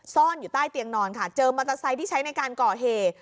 ซ่อนอยู่ใต้เตียงนอนค่ะเจอมอเตอร์ไซค์ที่ใช้ในการก่อเหตุ